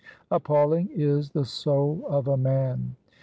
Appalling is the soul of a man!